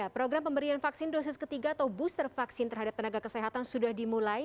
program pemberian vaksin dosis ketiga atau booster vaksin terhadap tenaga kesehatan sudah dimulai